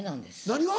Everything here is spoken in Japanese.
何が？